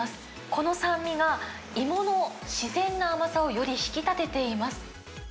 この酸味が、芋の自然な甘さをより引き立てています。